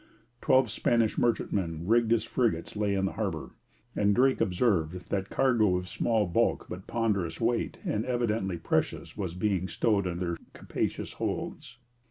Twelve Spanish merchantmen rigged as frigates lay in the harbour, and Drake observed that cargo of small bulk but ponderous weight, and evidently precious, was being stowed in their capacious holds.